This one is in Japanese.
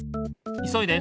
いそいで。